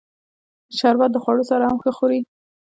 شربت د خوړو سره هم ښه خوري